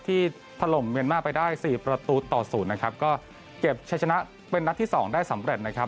ถล่มเมียนมาร์ไปได้สี่ประตูต่อศูนย์นะครับก็เก็บใช้ชนะเป็นนัดที่สองได้สำเร็จนะครับ